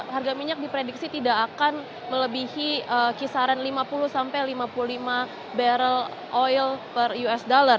harga minyak diprediksi tidak akan melebihi kisaran lima puluh sampai lima puluh lima barrel oil per usd